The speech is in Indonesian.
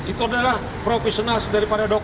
itu adalah profesional daripada dokter